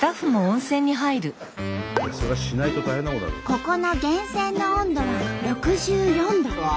ここの源泉の温度は６４度。